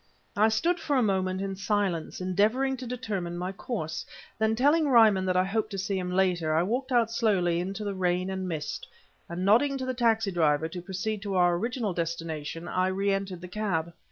I stood for a moment in silence, endeavoring to determine my course; then, telling Ryman that I hoped to see him later, I walked out slowly into the rain and mist, and nodding to the taxi driver to proceed to our original destination, I re entered the cab.